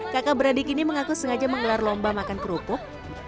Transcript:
kakak beradik ini mengaku sengaja menggelar lomba makan kerupuk